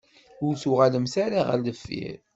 Ur tuγalemt ara γer deffir